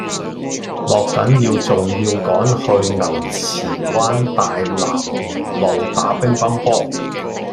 落緊雨仲要趕住去牛池灣大藍湖路打乒乓波